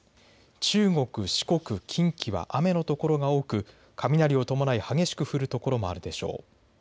中国、四国、近畿は雨の所が多く雷を伴い激しく降る所もあるでしょう。